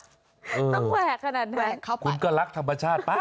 ต้องแวะขนาดนั้นแวะเข้าไปคุณก็รักธรรมชาติป่ะ